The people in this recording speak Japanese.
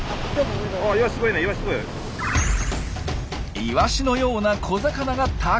イワシのような小魚がたくさん！